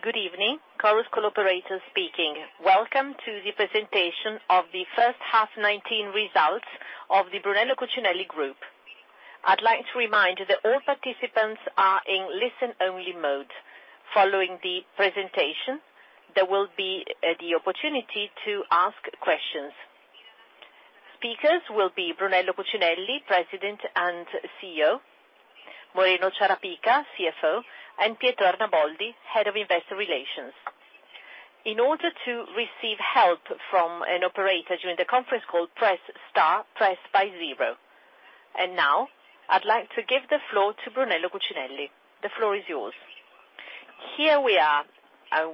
Good evening, Chorus Call operator speaking. Welcome to the presentation of the first half 2019 results of the Brunello Cucinelli Group. I'd like to remind you that all participants are in listen-only mode. Following the presentation, there will be the opportunity to ask questions. Speakers will be Brunello Cucinelli, President and CEO, Moreno Ciarapica, CFO, and Pietro Arnaboldi, Head of Investor Relations. In order to receive help from an operator during the conference call, press star, followed by zero. Now I'd like to give the floor to Brunello Cucinelli. The floor is yours. Here we are.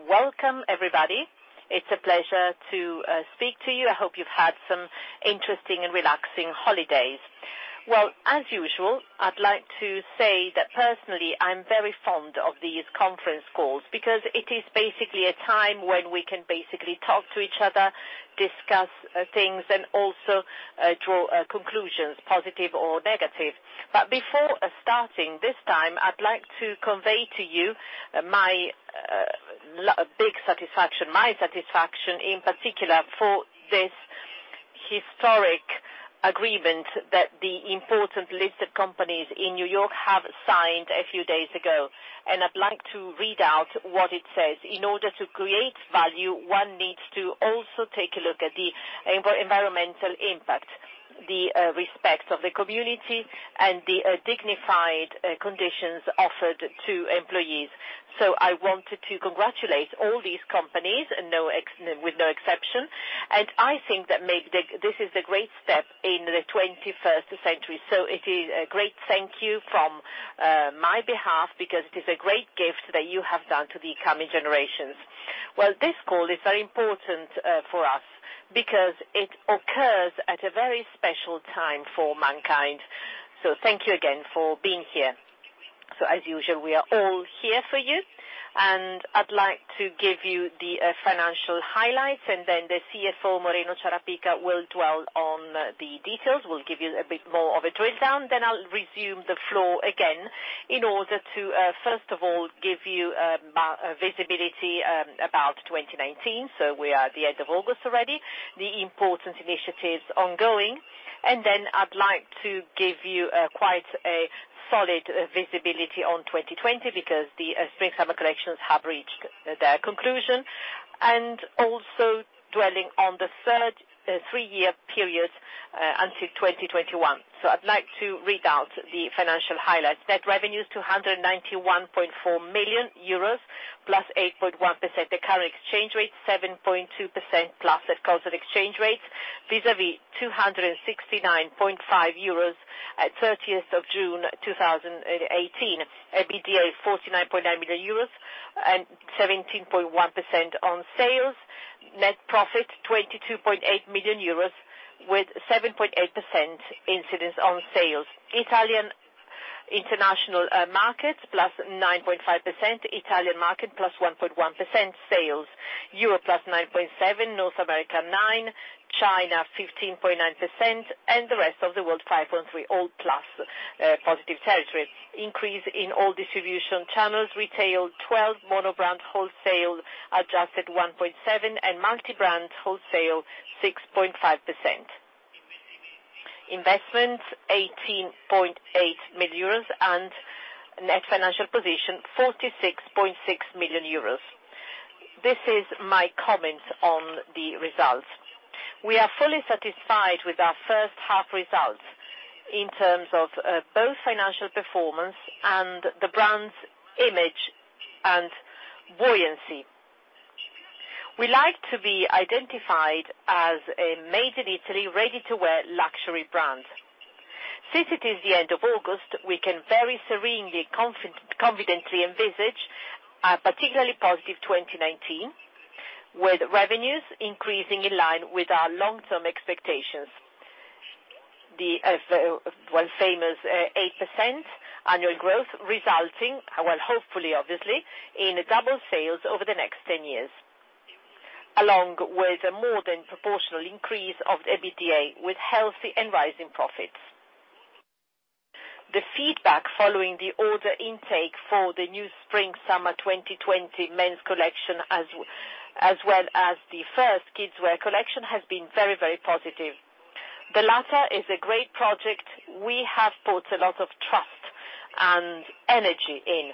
Welcome, everybody. It's a pleasure to speak to you. I hope you've had some interesting and relaxing holidays. Well, as usual, I'd like to say that personally, I'm very fond of these conference calls because it is basically a time when we can talk to each other, discuss things, and also draw conclusions, positive or negative. Before starting this time, I'd like to convey to you my big satisfaction. My satisfaction in particular for this historic agreement that the important listed companies in N.Y. have signed a few days ago, and I'd like to read out what it says. In order to create value, one needs to also take a look at the environmental impact, the respect of the community, and the dignified conditions offered to employees. I wanted to congratulate all these companies with no exception, and I think that maybe this is a great step in the 21st century. It is a great thank you from my behalf because it is a great gift that you have done to the coming generations. Well, this call is very important for us because it occurs at a very special time for mankind. Thank you again for being here. As usual, we are all here for you, and I'd like to give you the financial highlights, and then the CFO, Moreno Ciarapica, will dwell on the details. We'll give you a bit more of a drill down. I'll resume the floor again in order to first of all give you visibility about 2019. We are at the end of August already, the important initiatives ongoing. I'd like to give you quite a solid visibility on 2020 because the Spring/Summer collections have reached their conclusion, and also dwelling on the third three-year period until 2021. I'd like to read out the financial highlights. Net revenues, 291.4 million euros, +8.1%. The current exchange rate, +7.2% at constant exchange rates, vis-a-vis 269.5 euros at June 30, 2018. EBITDA is 49.9 million euros and 17.1% on sales. Net profit, 22.8 million euros with 7.8% incidence on sales. Italian international markets, +9.5%. Italian market, +1.1%. Sales, Europe +9.7%, North America 9%, China 15.9%, and the rest of the world 5.3%, all plus positive territory. Increase in all distribution channels. Retail 12%, monobrand wholesale adjusted 1.7%, and multibrand wholesale 6.5%. Investments, 18.8 million euros, and net financial position, 46.6 million euros. This is my comment on the results. We are fully satisfied with our first half results in terms of both financial performance and the brand's image and buoyancy. We like to be identified as a Made in Italy, ready-to-wear luxury brand. Since it is the end of August, we can very serenely, confidently envisage a particularly positive 2019, with revenues increasing in line with our long-term expectations. The famous 8% annual growth resulting, well, hopefully, obviously, in double sales over the next 10 years, along with a more than proportional increase of the EBITDA with healthy and rising profits. The feedback following the order intake for the new Spring/Summer 2020 men's collection, as well as the first kidswear collection, has been very positive. The latter is a great project we have put a lot of trust and energy in.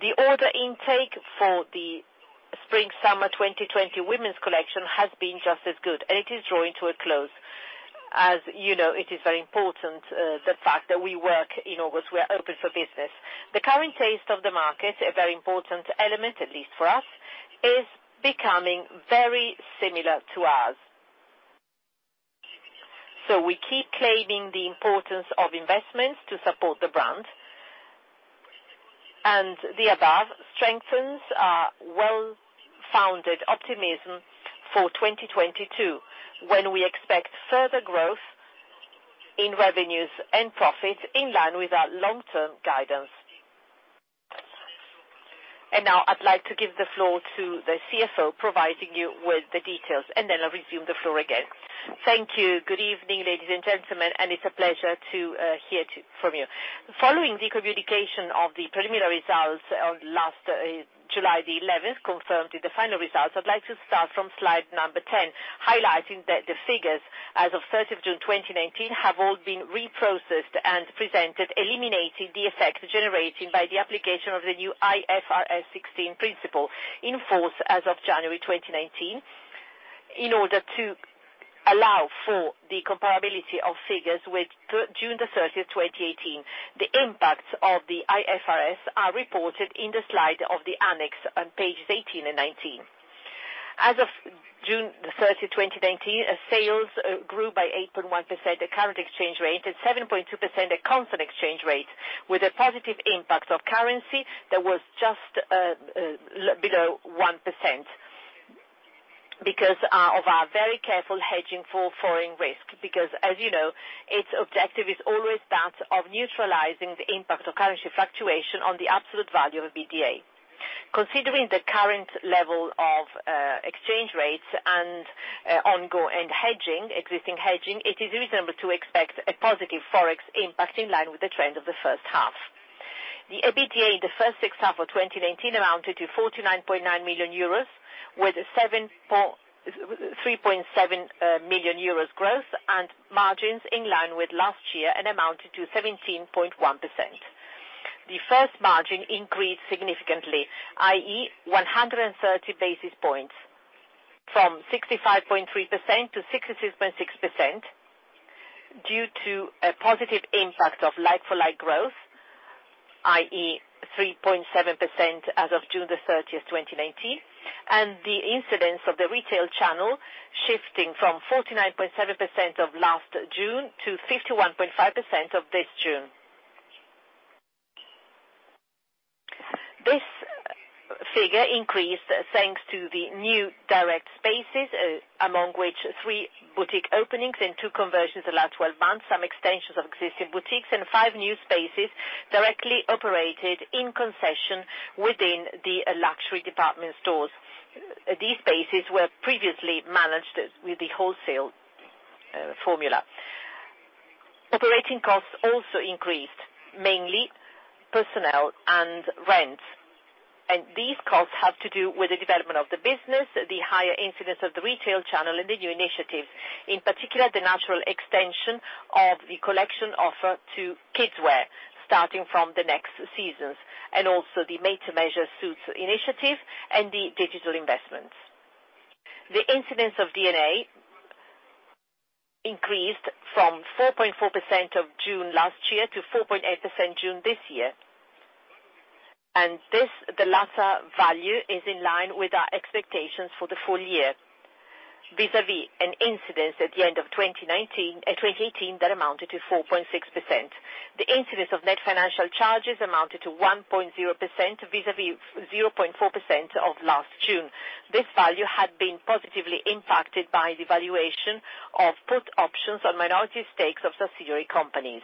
The order intake for the Spring/Summer 2020 women's collection has been just as good, and it is drawing to a close. As you know, it is very important, the fact that we work in August, we are open for business. The current taste of the market, a very important element, at least for us, is becoming very similar to us. We keep claiming the importance of investments to support the brand, the above strengthens our well-founded optimism for 2022, when we expect further growth in revenues and profits in line with our long-term guidance. Now I'd like to give the floor to the CFO, providing you with the details, and then I'll resume the floor again. Thank you. Good evening, ladies and gentlemen. It's a pleasure to hear from you. Following the communication of the preliminary results on last July 11th, confirmed with the final results, I'd like to start from slide number 10, highlighting that the figures as of June 30th, 2019 have all been reprocessed and presented, eliminating the effects generated by the application of the new IFRS 16 principle, in force as of January 2019, in order to allow for the comparability of figures with June 30th, 2018. The impacts of the IFRS are reported in the slide of the annex on pages 18 and 19. As of June 30, 2019, sales grew by 8.1% at current exchange rate and 7.2% at constant exchange rate, with a positive impact of currency that was just below 1%, because of our very careful hedging for foreign risk. As you know, its objective is always that of neutralizing the impact of currency fluctuation on the absolute value of EBITDA. Considering the current level of exchange rates and ongoing existing hedging, it is reasonable to expect a positive Forex impact in line with the trend of the first half. The EBITDA in the first six half of 2019 amounted to 49.9 million euros, with 3.7 million euros growth and margins in line with last year and amounted to 17.1%. The first margin increased significantly, i.e., 130 basis points from 65.3%-66.6%, due to a positive impact of like-for-like growth, i.e., 3.7% as of June 30th, 2019, and the incidence of the retail channel shifting from 49.7% of last June to 51.5% of this June. This figure increased thanks to the new direct spaces, among which 3 boutique openings and 2 conversions in the last 12 months, some extensions of existing boutiques, and 5 new spaces directly operated in concession within the luxury department stores. These spaces were previously managed with the wholesale formula. Operating costs also increased, mainly personnel and rent. These costs have to do with the development of the business, the higher incidence of the retail channel, and the new initiatives, in particular, the natural extension of the collection offer to kidswear starting from the next seasons, and also the made-to-measure suits initiative and the digital investments. The incidence of D&A increased from 4.4% of June last year to 4.8% June this year. The latter value is in line with our expectations for the full year vis-à-vis an incidence at the end of 2018 that amounted to 4.6%. The incidence of net financial charges amounted to 1.0% vis-à-vis 0.4% of last June. This value had been positively impacted by the valuation of put options on minority stakes of subsidiary companies.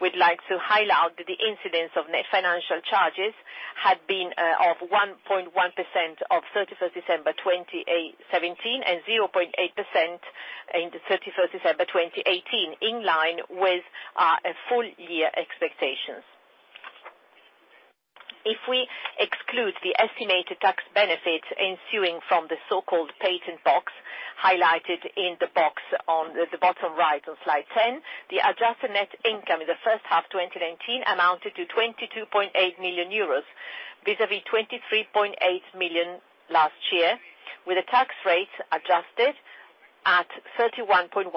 We'd like to highlight that the incidence of net financial charges had been of 1.1% of 31st December 2017 and 0.8% in 31st December 2018, in line with our full year expectations. If we exclude the estimated tax benefit ensuing from the so-called patent box highlighted in the box on the bottom right on slide 10, the adjusted net income in the first half 2019 amounted to 22.8 million euros vis-à-vis 23.8 million last year, with a tax rate adjusted at 31.1%.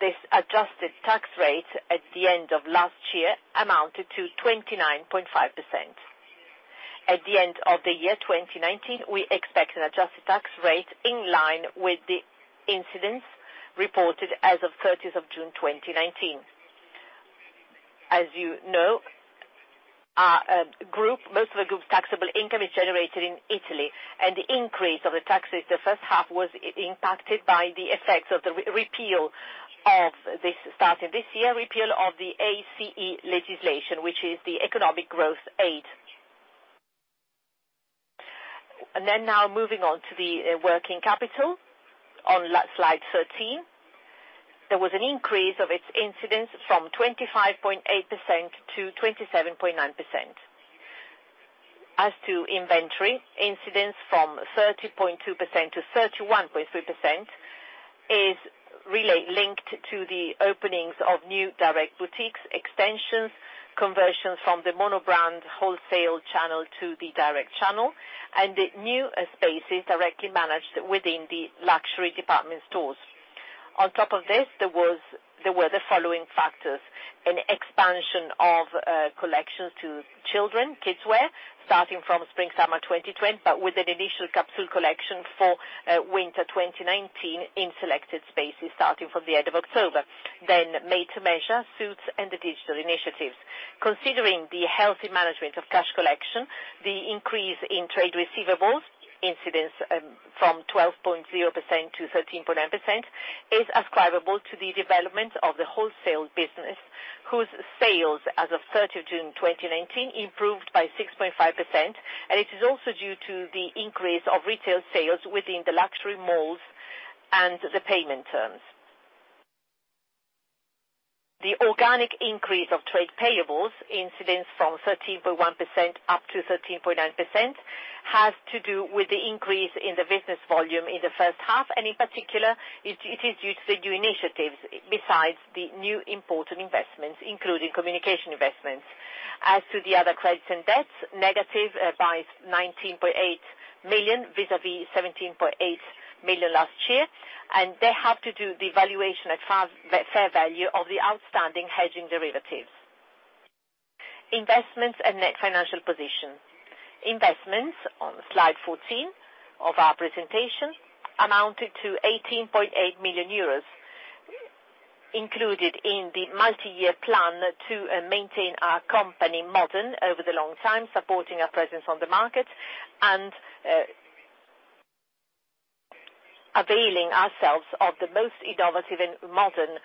This adjusted tax rate at the end of last year amounted to 29.5%. At the end of the year 2019, we expect an adjusted tax rate in line with the incidence reported as of 30th of June 2019. As you know, most of the group's taxable income is generated in Italy, and the increase of the tax rate in the first half was impacted by the effects of the repeal of, starting this year, the ACE legislation, which is the economic growth aid. Now moving on to the working capital on slide 13. There was an increase of its incidence from 25.8%-27.9%. As to inventory, incidence from 30.2%-31.3% is really linked to the openings of new direct boutiques, extensions, conversions from the monobrand wholesale channel to the direct channel, and the new spaces directly managed within the luxury department stores. On top of this, there were the following factors: an expansion of collections to children, kidswear, starting from spring/summer 2020, but with an initial capsule collection for winter 2019 in selected spaces starting from the end of October. Made-to-measure suits and the digital initiatives. Considering the healthy management of cash collection, the increase in trade receivables, incidence from 12.0% to 13.9%, is ascribable to the development of the wholesale business, whose sales as of 30th June 2019 improved by 6.5%, and it is also due to the increase of retail sales within the luxury malls and the payment terms. The organic increase of trade payables, incidence from 13.1% up to 13.9%, has to do with the increase in the business volume in the first half, and in particular, it is due to the new initiatives besides the new important investments, including communication investments. As to the other credits and debts, negative by 19.8 million vis-à-vis 17.8 million last year. They have to do the valuation at fair value of the outstanding hedging derivatives. Investments and net financial position. Investments, on Slide 14 of our presentation, amounted to 18.8 million euros included in the multi-year plan to maintain our company modern over the long time, supporting our presence on the market, and availing ourselves of the most innovative and modern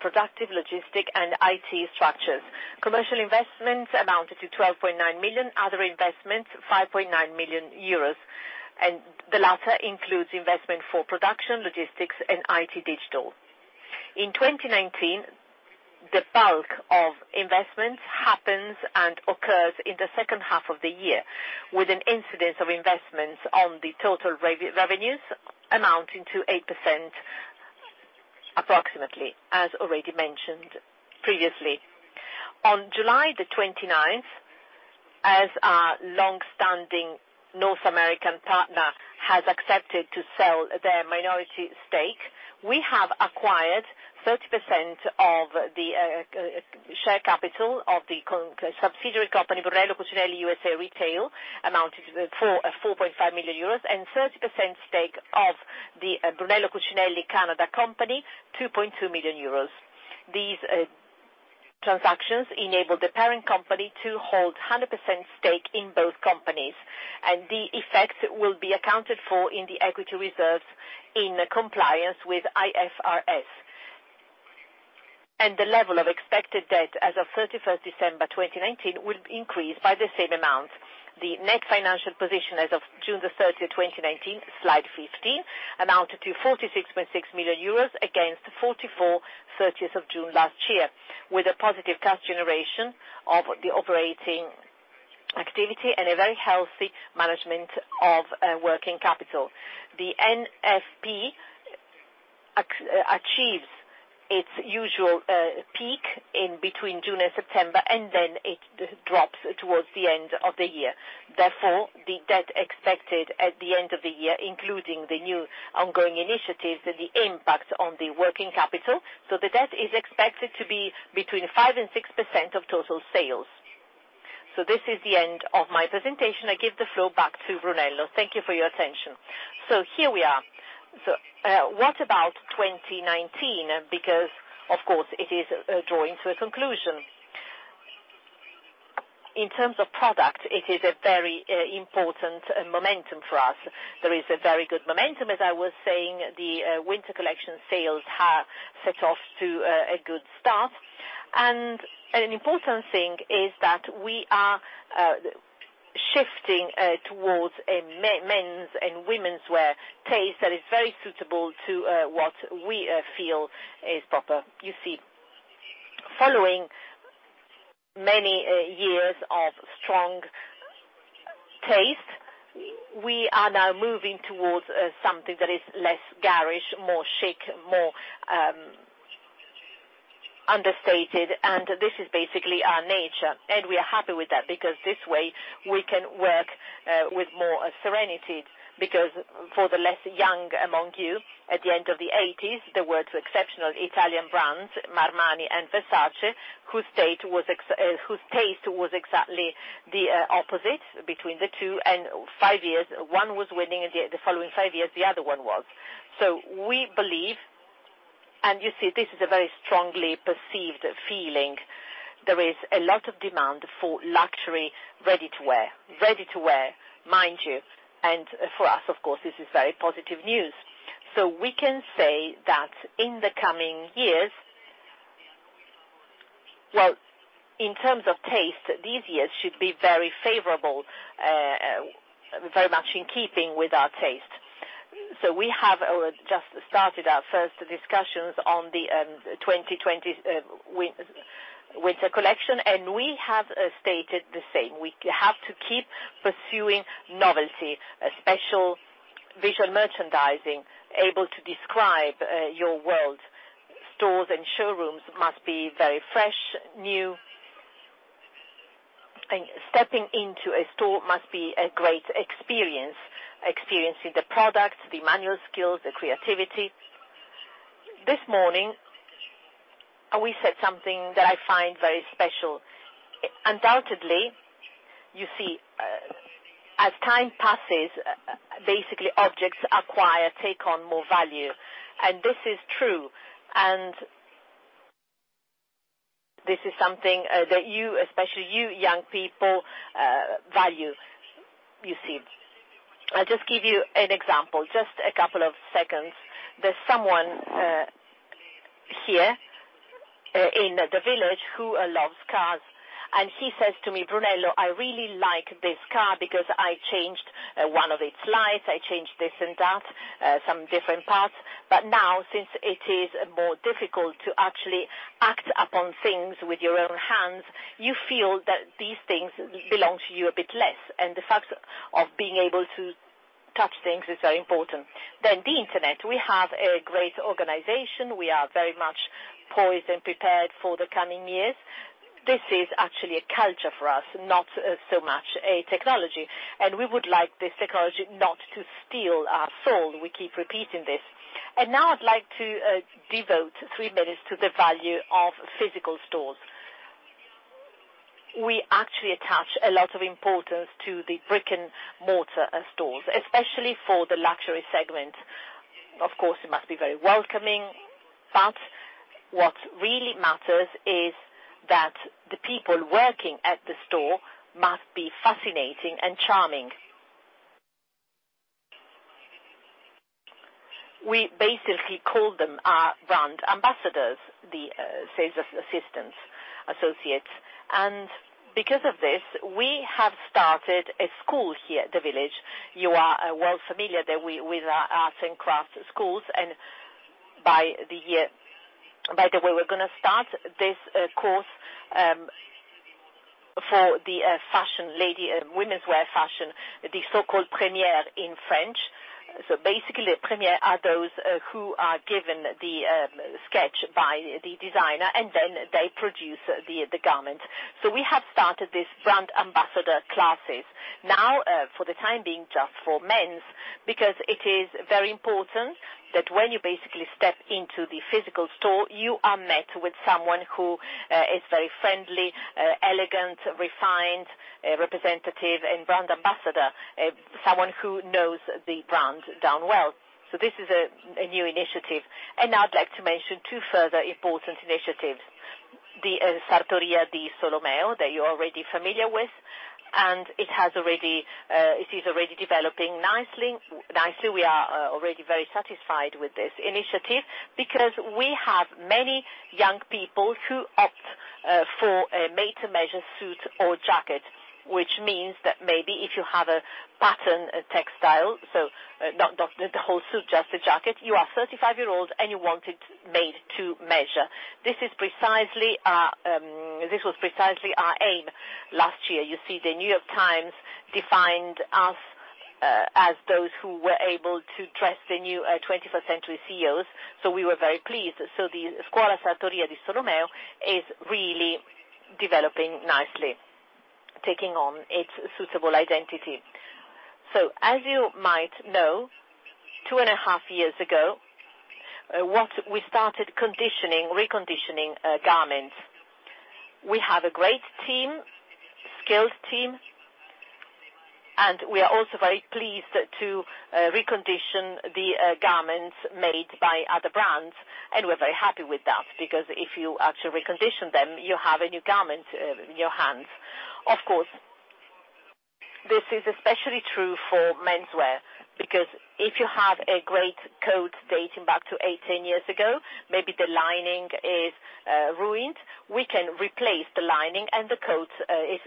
productive, logistic, and IT structures. Commercial investments amounted to 12.9 million. Other investments, 5.9 million euros. The latter includes investment for production, logistics, and IT digital. In 2019, the bulk of investments happens and occurs in the second half of the year, with an incidence of investments on the total revenues amounting to 8% approximately, as already mentioned previously. On July 29th, as our long-standing North American partner has accepted to sell their minority stake, we have acquired 30% of the share capital of the subsidiary company, Brunello Cucinelli USA, Inc., amounting to 4.5 million euros, and 30% stake of the Brunello Cucinelli Canada Ltd., 2.2 million euros. These transactions enable the parent company to hold 100% stake in both companies, and the effect will be accounted for in the equity reserves in compliance with IFRS. The level of expected debt as of December 31st, 2019 will increase by the same amount. The net financial position as of June 30th, 2019, Slide 15, amounted to 46.6 million euros against 44 million, June 30th last year, with a positive cash generation of the operating activity and a very healthy management of working capital. The NFP achieves its usual peak in between June and September, and then it drops towards the end of the year. The debt expected at the end of the year, including the new ongoing initiatives and the impact on the working capital, so the debt is expected to be between 5% and 6% of total sales. This is the end of my presentation. I give the floor back to Brunello. Thank you for your attention. Here we are. What about 2019? Of course, it is drawing to a conclusion. In terms of product, it is a very important momentum for us. There is a very good momentum. As I was saying, the winter collection sales have set off to a good start. An important thing is that we are shifting towards a men's and women's wear taste that is very suitable to what we feel is proper. You see, following many years of strong taste, we are now moving towards something that is less garish, more chic, more understated. This is basically our nature, and we are happy with that because this way, we can work with more serenity, because for the less young among you, at the end of the '80s, there were two exceptional Italian brands, Armani and Versace, whose taste was exactly the opposite between the two. One was winning, the following five years, the other one was. We believe, and you see, this is a very strongly perceived feeling, there is a lot of demand for luxury ready-to-wear. Ready-to-wear, mind you. For us, of course, this is very positive news. We can say that in the coming years, in terms of taste, these years should be very favorable, very much in keeping with our taste. We have just started our first discussions on the 2020 winter collection, and we have stated the same. We have to keep pursuing novelty, a special visual merchandising able to describe your world. Stores and showrooms must be very fresh, new. Stepping into a store must be a great experience, experiencing the product, the manual skills, the creativity. This morning, we said something that I find very special. Undoubtedly, you see, as time passes, basically objects acquire, take on more value. This is true, and this is something that you, especially you young people, value. I'll just give you an example, just a couple of seconds. There's someone here in the village who loves cars. She says to me, "Brunello, I really like this car because I changed one of its lights. I changed this and that, some different parts." Now, since it is more difficult to actually act upon things with your own hands, you feel that these things belong to you a bit less. The fact of being able to touch things is very important. The internet, we have a great organization. We are very much poised and prepared for the coming years. This is actually a culture for us, not so much a technology. We would like this technology not to steal our soul. We keep repeating this. Now I'd like to devote three minutes to the value of physical stores. We actually attach a lot of importance to the brick-and-mortar stores, especially for the luxury segment. Of course, it must be very welcoming, but what really matters is that the people working at the store must be fascinating and charming. We basically call them our brand ambassadors, the sales associates. Because of this, we have started a school here at the Village. You are well familiar with our arts and crafts schools. By the way, we're going to start this course for the women's wear fashion, the so-called première in French. Basically, première are those who are given the sketch by the designer, and then they produce the garment. We have started these brand ambassador classes. Now, for the time being, just for men's, because it is very important that when you basically step into the physical store, you are met with someone who is very friendly, elegant, refined, representative, and brand ambassador, someone who knows the brand darn well. This is a new initiative. Now I'd like to mention two further important initiatives. The Sartoria Solomeo, that you're already familiar with, and it is already developing nicely. We are already very satisfied with this initiative because we have many young people who opt for a made-to-measure suit or jacket, which means that maybe if you have a pattern textile, so not the whole suit, just a jacket, you are 35 years old and you want it made-to-measure. This was precisely our aim last year. You see, The New York Times defined us as those who were able to dress the new 21st century CEOs. We were very pleased. The Scuola Sartoria di Solomeo is really developing nicely, taking on its suitable identity. As you might know, two and a half years ago, we started reconditioning garments. We have a great team, skilled team, and we are also very pleased to recondition the garments made by other brands. We're very happy with that, because if you actually recondition them, you have a new garment in your hands. Of course, this is especially true for menswear, because if you have a great coat dating back to 18 years ago, maybe the lining is ruined. We can replace the lining, and the coat is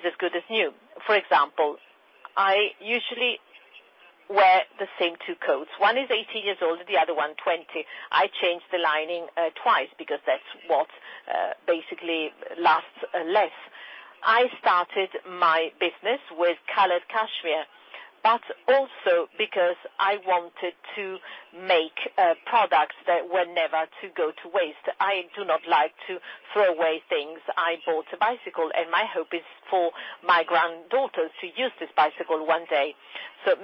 as good as new. For example, I usually wear the same two coats. One is 18 years old, the other one 20. I changed the lining twice because that's what basically lasts less. I started my business with colored cashmere, but also because I wanted to make products that were never to go to waste. I do not like to throw away things. I bought a bicycle, and my hope is for my granddaughters to use this bicycle one day.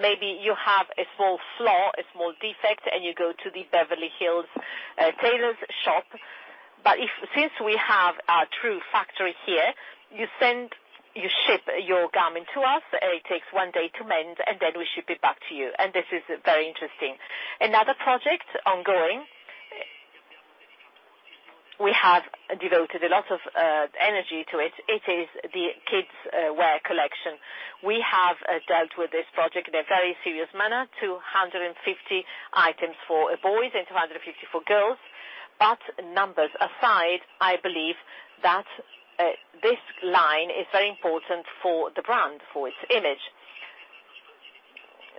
Maybe you have a small flaw, a small defect, and you go to the Beverly Hills tailor's shop. Since we have our true factory here, you ship your garment to us, and it takes one day to mend, and then we ship it back to you. This is very interesting. Another project ongoing, we have devoted a lot of energy to it. It is the kidswear collection. We have dealt with this project in a very serious manner, 250 items for boys and 250 for girls. Numbers aside, I believe that this line is very important for the brand, for its image.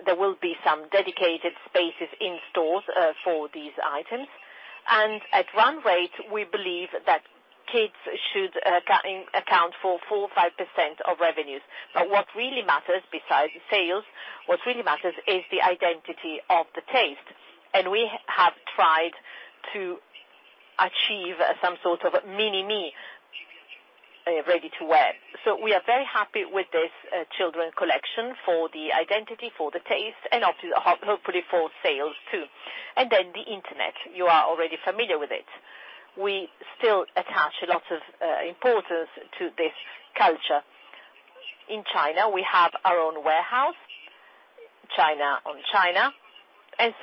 There will be some dedicated spaces in stores for these items. At one rate, we believe that kids should account for 4% or 5% of revenues. What really matters, besides sales, what really matters is the identity of the taste. We have tried to achieve some sort of Mini-Me ready-to-wear. We are very happy with this children collection for the identity, for the taste, and hopefully for sales, too. Then the internet, you are already familiar with it. We still attach a lot of importance to this culture. In China, we have our own warehouse, China on China. At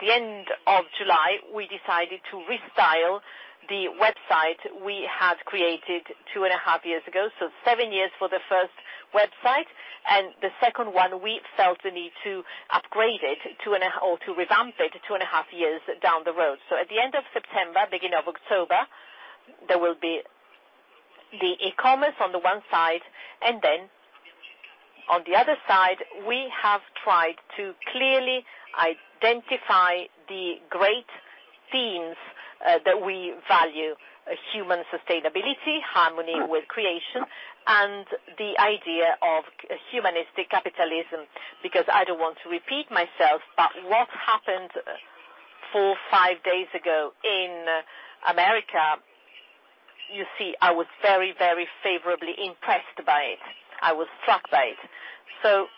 the end of July, we decided to restyle the website we had created two and a half years ago. Seven years for the first website, and the second one, we felt the need to upgrade it or to revamp it two and a half years down the road. At the end of September, beginning of October, there will be the e-commerce on the one side, and then on the other side, we have tried to clearly identify the great themes that we value. Human sustainability, harmony with creation, and the idea of humanistic capitalism, because I don't want to repeat myself, but what happened four, five days ago in America, you see, I was very, very favorably impressed by it. I was struck by it.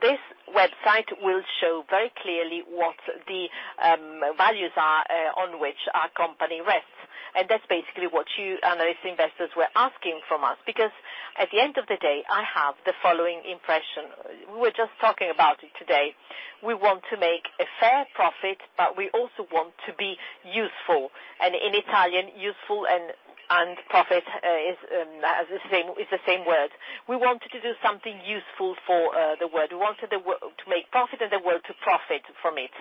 This website will show very clearly what the values are on which our company rests. That's basically what you analysts, investors were asking from us. At the end of the day, I have the following impression. We were just talking about it today. We want to make a fair profit, but we also want to be useful, and in Italian, useful and profit is the same word. We wanted to do something useful for the world. We wanted to make profit in the world to profit from it,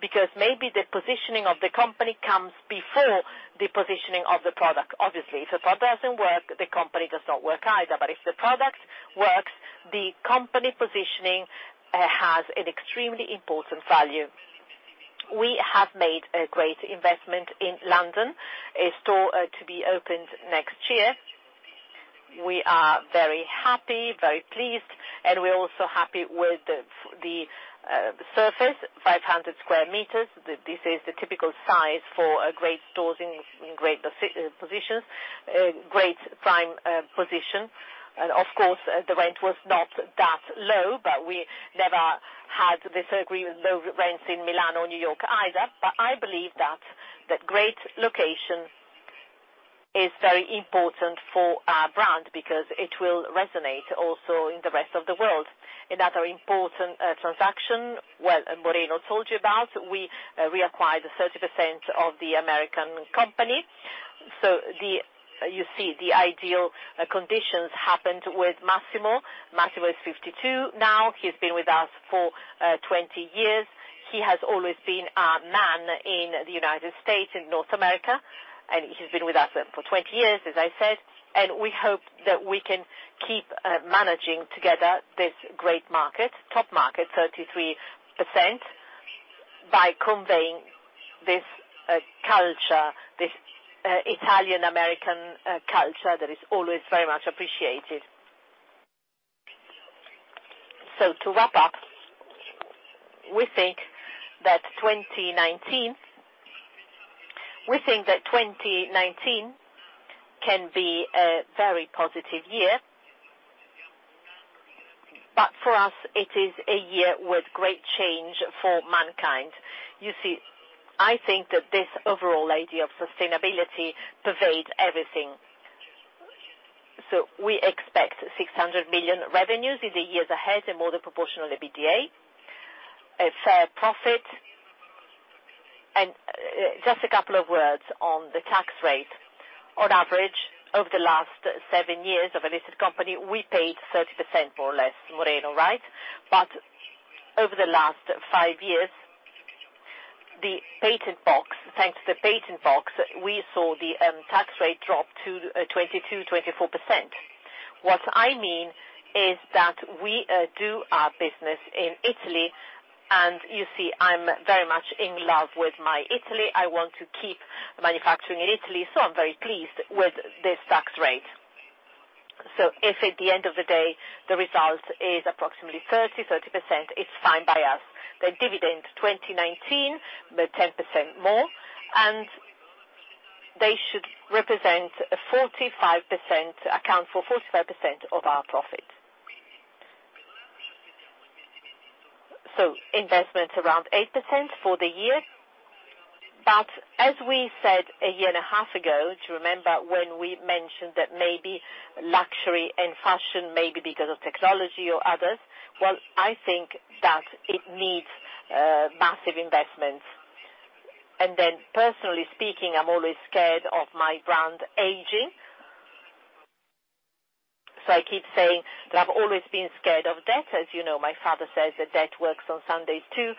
because maybe the positioning of the company comes before the positioning of the product, obviously. If the product doesn't work, the company does not work either. If the product works, the company positioning has an extremely important value. We have made a great investment in London, a store to be opened next year. We are very happy, very pleased, we're also happy with the surface, 500 sq m. This is the typical size for great stores in great prime positions. Of course, the rent was not that low, we never had this agreement with low rents in Milan or New York either. I believe that great location is very important for our brand because it will resonate also in the rest of the world. Another important transaction, well, Moreno told you about, we reacquired the 30% of the American company. You see, the ideal conditions happened with Massimo. Massimo is 52 now. He's been with us for 20 years. He has always been our man in the U.S., in North America, and he's been with us for 20 years, as I said, and we hope that we can keep managing together this great market, top market, 33%, by conveying this culture, this Italian-American culture that is always very much appreciated. To wrap up, we think that 2019 can be a very positive year. For us, it is a year with great change for mankind. You see, I think that this overall idea of sustainability pervades everything. We expect 600 million revenues in the years ahead and more than proportional EBITDA. A fair profit. Just a couple of words on the tax rate. On average, over the last seven years of a listed company, we paid 30%, more or less. Moreno, right? Over the last five years, thanks to the patent box, we saw the tax rate drop to 22%-24%. What I mean is that we do our business in Italy, and you see, I'm very much in love with my Italy. I want to keep manufacturing in Italy, so I'm very pleased with this tax rate. If at the end of the day, the result is approximately 30%, it's fine by us. The dividend 2019, but 10% more, and they should account for 45% of our profit. Investment around 8% for the year. As we said a year and a half ago, do you remember when we mentioned that maybe luxury and fashion, maybe because of technology or others, well, I think that it needs massive investments. Personally speaking, I'm always scared of my brand aging. I keep saying that I've always been scared of debt. As you know, my father says that debt works on Sunday, too.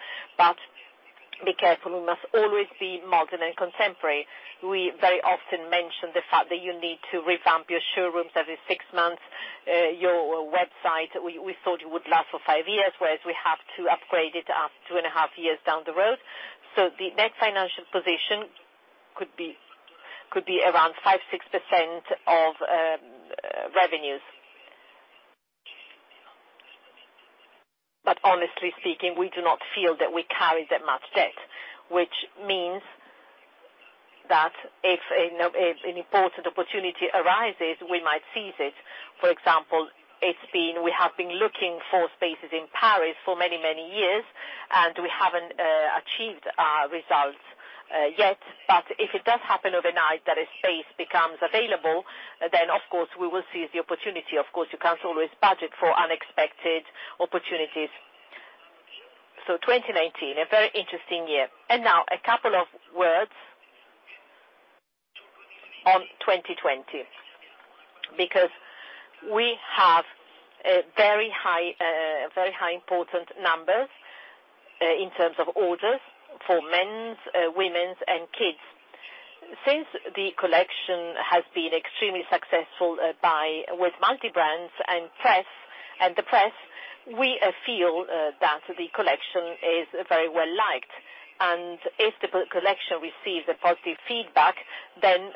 Be careful, we must always be modern and contemporary. We very often mention the fact that you need to revamp your showrooms every six months. Your website, we thought it would last for five years, whereas we have to upgrade it after two and a half years down the road. The net financial position could be around 5%-6% of revenues. Honestly speaking, we do not feel that we carry that much debt, which means that if an important opportunity arises, we might seize it. For example, we have been looking for spaces in Paris for many, many years, and we haven't achieved our results yet. If it does happen overnight that a space becomes available, then, of course, we will seize the opportunity. Of course, you can't always budget for unexpected opportunities. 2019, a very interesting year. Now a couple of words on 2020, because we have very high, important numbers in terms of orders for men's, women's, and kids. Since the collection has been extremely successful with multi-brands and the press, we feel that the collection is very well-liked. If the collection receives a positive feedback, then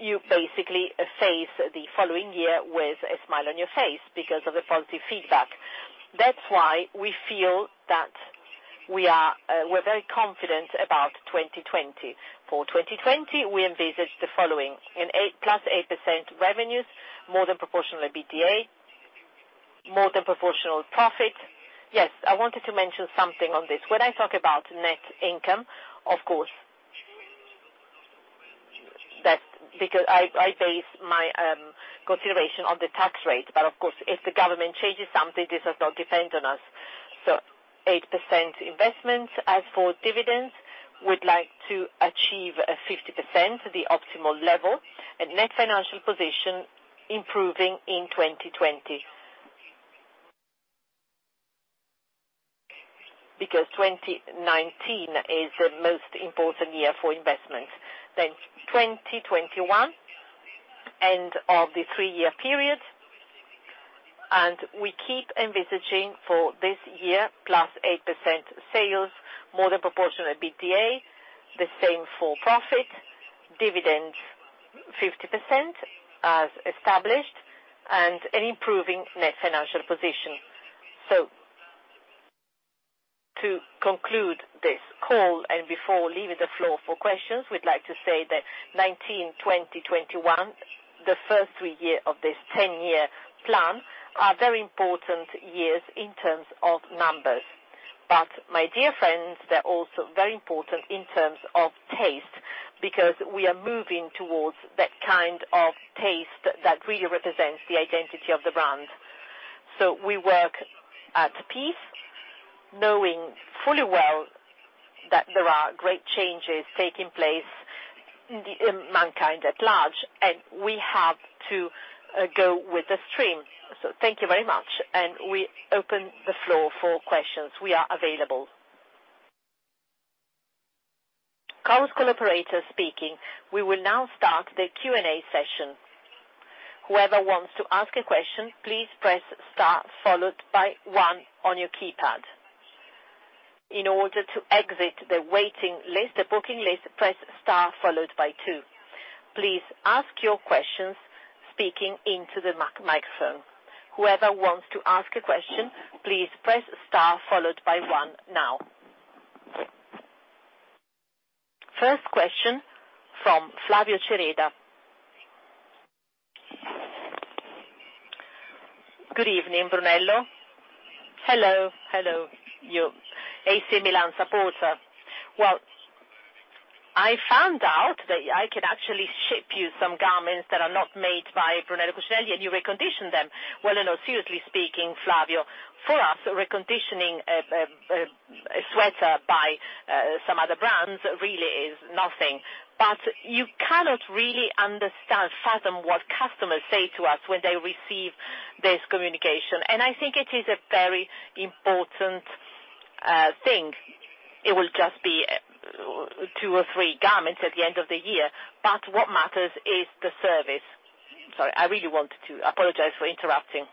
you basically face the following year with a smile on your face because of the positive feedback. That's why we feel that we're very confident about 2020. For 2020, we envisage the following: plus 8% revenues, more than proportional EBITDA, more than proportional profit. Yes, I wanted to mention something on this. When I talk about net income, of course, that's because I base my consideration on the tax rate. Of course, if the government changes something, this does not depend on us. 8% investment. As for dividends, we'd like to achieve a 50%, the optimal level, and net financial position improving in 2020. Because 2019 is the most important year for investment. 2021, end of the three-year period. We keep envisaging for this year, plus 8% sales, more than proportional EBITDA, the same for profit, dividend 50% as established, and an improving net financial position. To conclude this call, and before leaving the floor for questions, we'd like to say that 2019, 2020, 2021, the first three year of this 10-year plan, are very important years in terms of numbers. My dear friends, they're also very important in terms of taste, because we are moving towards that kind of taste that really represents the identity of the brand. We work at peace, knowing fully well that there are great changes taking place in mankind at large, and we have to go with the stream. Thank you very much, and we open the floor for questions. We are available. Chorus Call's collaborator speaking. We will now start the Q&A session. Whoever wants to ask a question, please press star one on your keypad. In order to exit the waiting list, the booking list, press star two. Please ask your questions speaking into the microphone. Whoever wants to ask a question, please press star followed by one now. First question from Flavio Cereda. Good evening, Brunello. Hello. Hello, you AC Milan supporter. I found out that I can actually ship you some garments that are not made by Brunello Cucinelli, and you recondition them. No, seriously speaking, Flavio, for us, reconditioning a sweater by some other brands really is nothing. You cannot really understand, fathom what customers say to us when they receive this communication. I think it is a very important thing. It will just be two or three garments at the end of the year, but what matters is the service. Sorry, I really wanted to apologize for interrupting.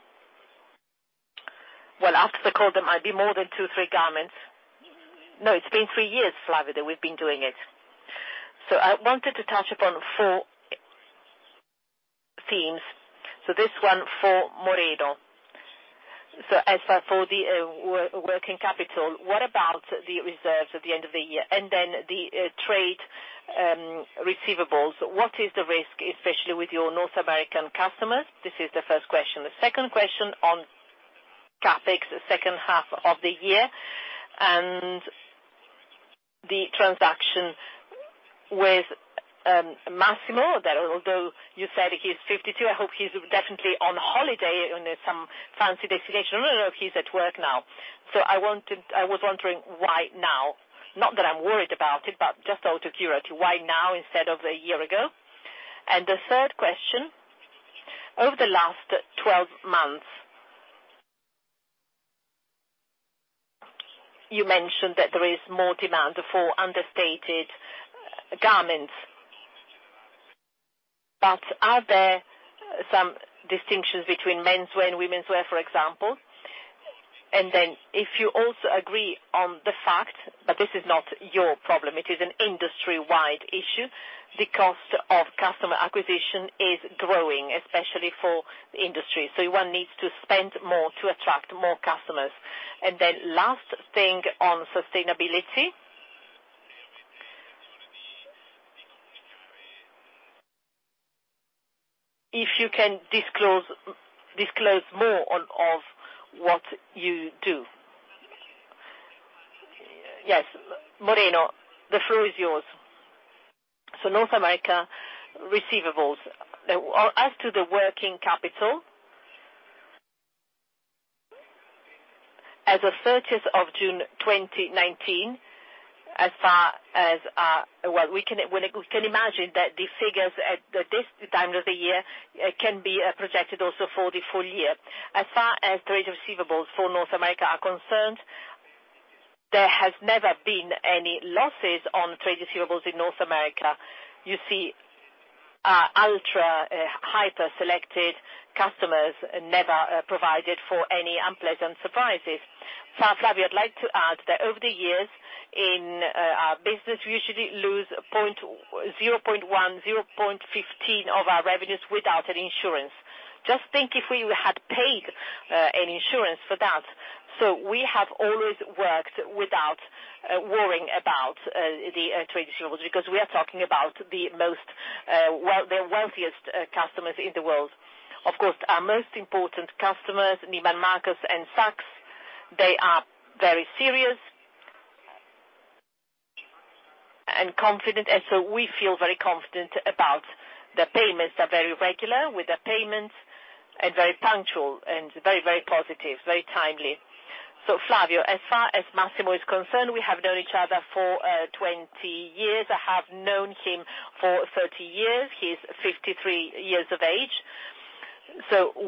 After the call, there might be more than two or three garments. It's been three years, Flavio, that we've been doing it. I wanted to touch upon four themes. This one for Moreno. As for the working capital, what about the reserves at the end of the year? The trade receivables, what is the risk, especially with your North American customers? This is the first question. The second question on CapEx, the second half of the year, and the transaction with Massimo, that although you said he's 52, I hope he's definitely on holiday on some fancy destination. He's at work now. I was wondering why now? Not that I'm worried about it, just out of curiosity, why now instead of a year ago? The third question, over the last 12 months, you mentioned that there is more demand for understated garments. Are there some distinctions between menswear and womenswear, for example? If you also agree on the fact, this is not your problem, it is an industry-wide issue, the cost of customer acquisition is growing, especially for the industry. One needs to spend more to attract more customers. Last thing on sustainability. If you can disclose more of what you do. Yes. Moreno, the floor is yours. North America receivables. As to the working capital, as of 30th of June 2019, as far as our Well, we can imagine that the figures at this time of the year can be projected also for the full year. As far as trade receivables for North America are concerned. There has never been any losses on trade receivables in North America. You see ultra, hyper selected customers, never provided for any unpleasant surprises. Flavio, I'd like to add that over the years, in our business, we usually lose 0.1%, 0.15% of our revenues without an insurance. Just think if we had paid an insurance for that. We have always worked without worrying about the trade receivables, because we are talking about the wealthiest customers in the world. Of course, our most important customers, Neiman Marcus and Saks, they are very serious and confident, we feel very confident about the payments are very regular, very punctual, and very positive. Very timely. Flavio, as far as Massimo is concerned, we have known each other for 20 years. I have known him for 30 years. He is 53 years of age.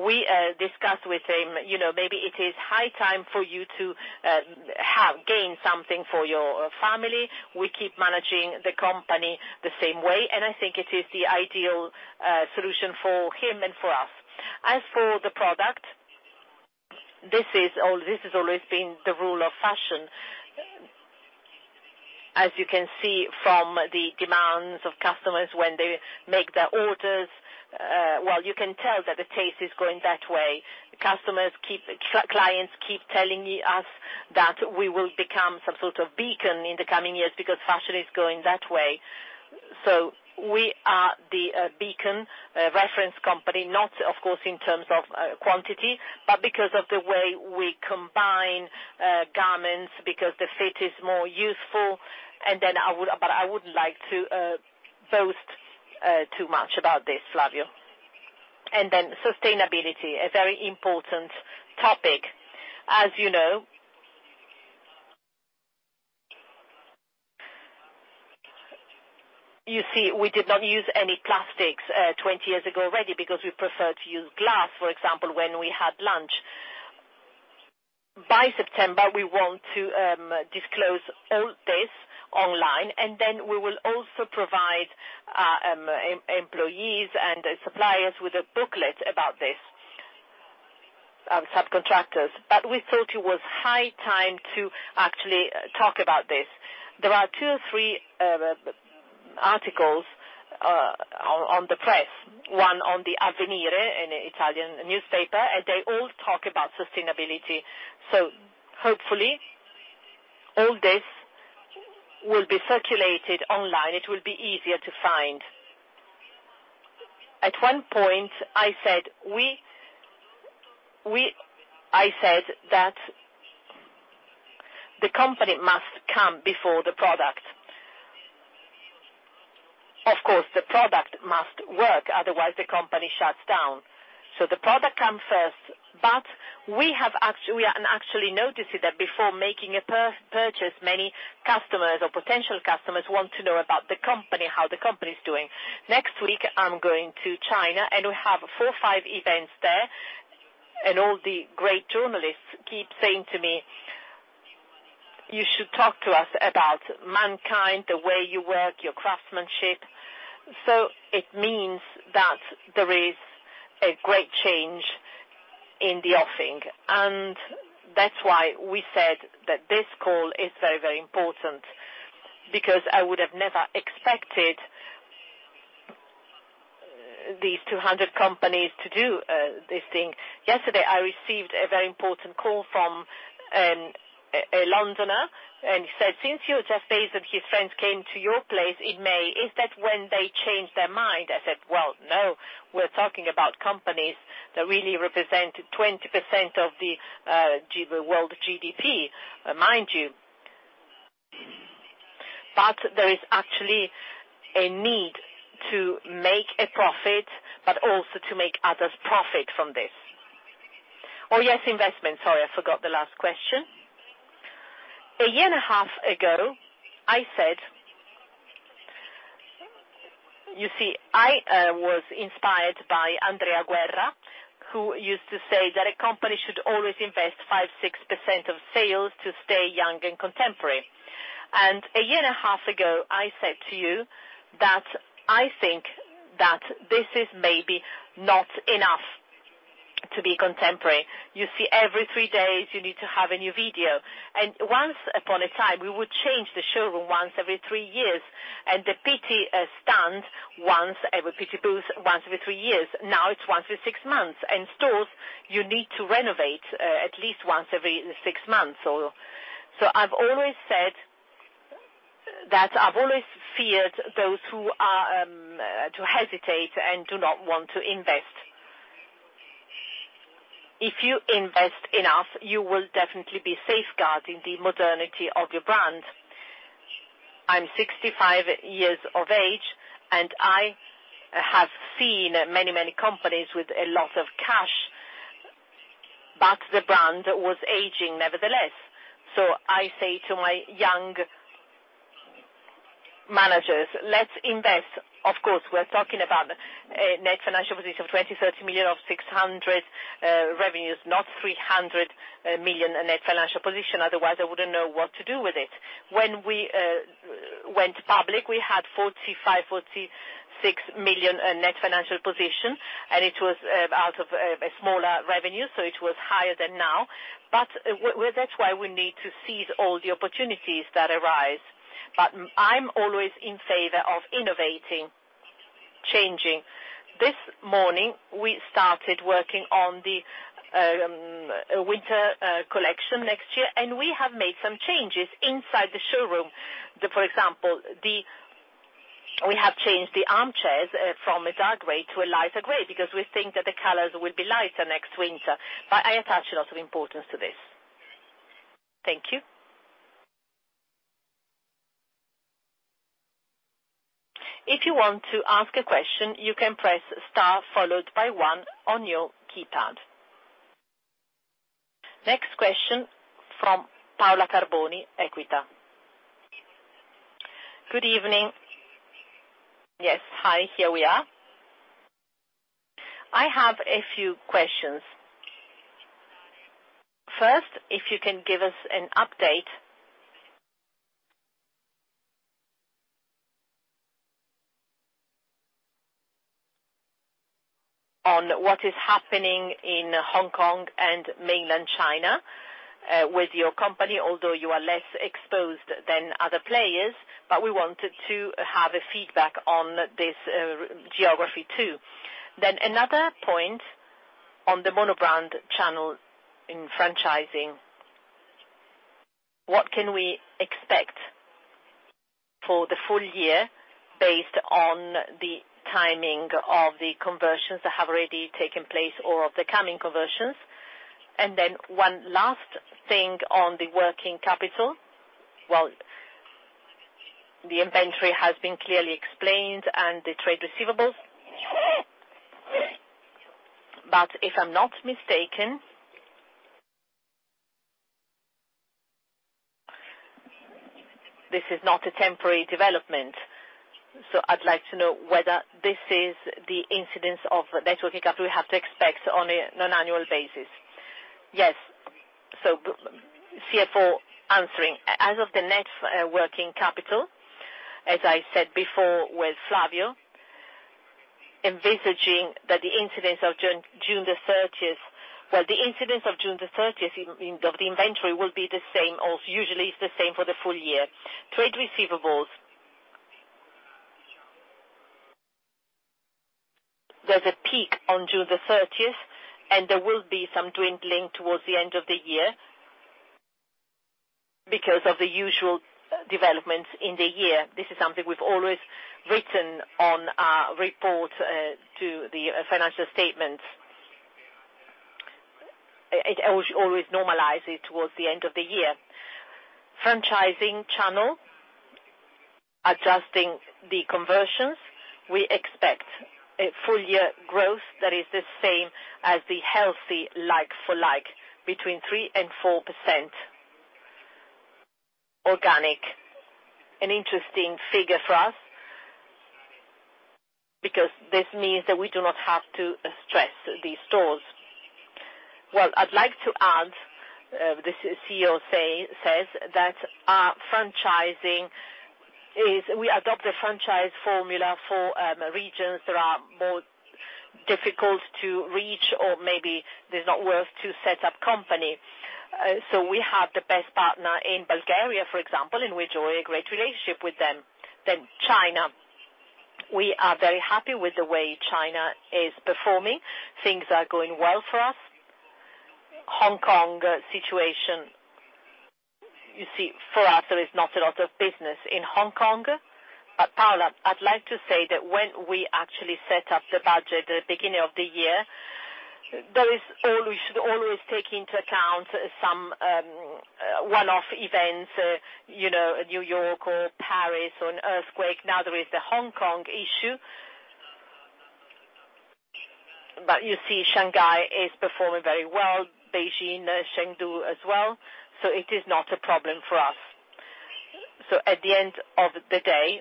We discussed with him, maybe it is high time for you to gain something for your family. We keep managing the company the same way, I think it is the ideal solution for him and for us. As for the product, this has always been the rule of fashion. As you can see from the demands of customers when they make their orders, well, you can tell that the taste is going that way. Clients keep telling us that we will become some sort of beacon in the coming years because fashion is going that way. We are the beacon, reference company, not of course in terms of quantity, but because of the way we combine garments, because the fit is more useful. I wouldn't like to boast too much about this, Flavio. Sustainability, a very important topic. As you know, you see, we did not use any plastics 20 years ago already because we preferred to use glass, for example, when we had lunch. By September, we want to disclose all this online and then we will also provide employees and suppliers with a booklet about this, subcontractors. We thought it was high time to actually talk about this. There are two or three articles on the press, one on the Avvenire, an Italian newspaper, and they all talk about sustainability. Hopefully all this will be circulated online. It will be easier to find. At one point, I said that the company must come before the product. Of course, the product must work, otherwise the company shuts down. The product comes first. We are actually noticing that before making a purchase, many customers or potential customers want to know about the company, how the company's doing. Next week, I'm going to China and we have four or five events there, and all the great journalists keep saying to me, "You should talk to us about mankind, the way you work, your craftsmanship." It means that there is a great change in the offing, and that's why we said that this call is very, very important, because I would have never expected these 200 companies to do this thing. Yesterday, I received a very important call from a Londoner, and he said, "Since your 200 friends came to your place in May, is that when they changed their mind?" I said, "Well, no, we're talking about companies that really represent 20% of the world GDP," mind you. There is actually a need to make a profit, but also to make others profit from this. Oh yes, investment. Sorry, I forgot the last question. A year and a half ago, I said You see, I was inspired by Andrea Guerra, who used to say that a company should always invest 5%, 6% of sales to stay young and contemporary. A year and a half ago, I said to you that I think that this is maybe not enough to be contemporary. You see, every three days, you need to have a new video. Once upon a time, we would change the showroom once every three years and the Pitti booth once every three years. Now it's once every six months, and stores you need to renovate at least once every six months. I've always feared those who hesitate and do not want to invest. If you invest enough, you will definitely be safeguarding the modernity of your brand. I'm 65 years of age and I have seen many companies with a lot of cash, but the brand was aging nevertheless. I say to my young managers, let's invest. Of course, we're talking about net financial position of 20 million, 30 million of 600 revenues, not 300 million net financial position, otherwise I wouldn't know what to do with it. When we went public, we had 45 million, 46 million net financial position, and it was out of a smaller revenue, it was higher than now. That's why we need to seize all the opportunities that arise. I'm always in favor of innovating, changing. This morning, we started working on the winter collection next year, and we have made some changes inside the showroom. For example, we have changed the armchairs from a dark gray to a lighter gray because we think that the colors will be lighter next winter. I attach a lot of importance to this. Thank you. If you want to ask a question, you can press star followed by 1 on your keypad. Next question from Paola Carboni, Equita. Good evening. Yes, hi. Here we are. I have a few questions. If you can give us an update on what is happening in Hong Kong and mainland China with your company, although you are less exposed than other players, we wanted to have a feedback on this geography too. Another point on the monobrand channel in franchising. What can we expect for the full year based on the timing of the conversions that have already taken place or of the coming conversions? One last thing on the working capital. The inventory has been clearly explained and the trade receivables. If I am not mistaken, this is not a temporary development, so I would like to know whether this is the incidence of net working capital we have to expect on an annual basis. Yes. CFO answering. As of the net working capital, as I said before with Flavio, envisaging that the incidence of June the 30th of the inventory will be the same or usually is the same for the full year. Trade receivables, there is a peak on June the 30th, and there will be some dwindling towards the end of the year because of the usual developments in the year. This is something we have always written on our report to the financial statements. It always normalizes towards the end of the year. Franchising channel, adjusting the conversions, we expect a full year growth that is the same as the healthy like-for-like between 3% and 4% organic. An interesting figure for us, because this means that we do not have to stress these stores. Well, I'd like to add, the CEO says that we adopt the franchise formula for regions that are more difficult to reach, or maybe they're not worth to set up company. We have the best partner in Bulgaria, for example, and we enjoy a great relationship with them. China. We are very happy with the way China is performing. Things are going well for us. Hong Kong situation, you see, for us, there is not a lot of business in Hong Kong. Paola, I'd like to say that when we actually set up the budget at the beginning of the year, we should always take into account some one-off events, New York or Paris or an earthquake. There is the Hong Kong issue. You see, Shanghai is performing very well, Beijing, Chengdu as well, so it is not a problem for us. At the end of the day,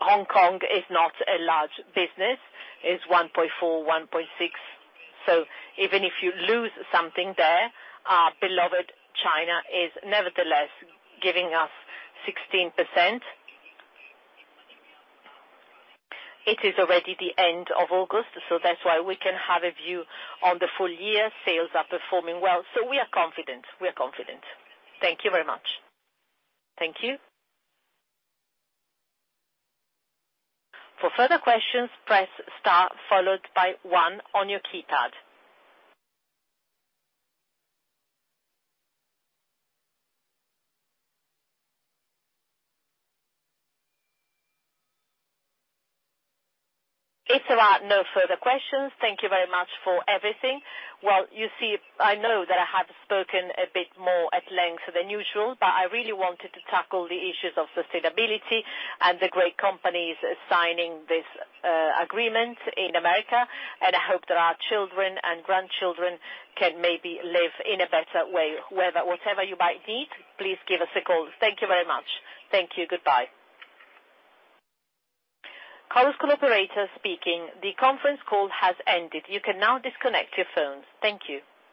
Hong Kong is not a large business, it's 1.4%, 1.6%. Even if you lose something there, our beloved China is nevertheless giving us 16%. It is already the end of August, so that's why we can have a view on the full year. Sales are performing well. We are confident. Thank you very much. Thank you. For further questions, press star followed by one on your keypad. If there are no further questions, thank you very much for everything. Well, you see, I know that I have spoken a bit more at length than usual, but I really wanted to tackle the issues of sustainability and the great companies signing this agreement in America, and I hope that our children and grandchildren can maybe live in a better way. Whatever you might need, please give us a call. Thank you very much. Thank you. Goodbye. Call operator speaking. The conference call has ended. You can now disconnect your phones. Thank you.